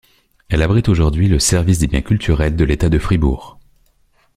Elle abrite aujourd'hui le Service des biens culturels de l'État de Fribourg.